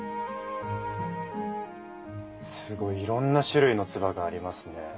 すごいいろんな種類の鐔がありますね。